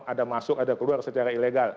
ada masuk ada keluar secara ilegal